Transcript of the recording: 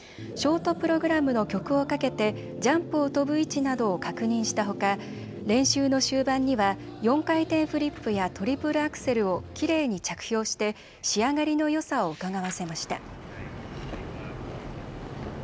ショートプログラムの曲をかけてジャンプを跳ぶ位置などを確認したほか練習の終盤には４回転フリップやトリプルアクセルをきれいに着氷して仕上がりのよさをうかがわせました。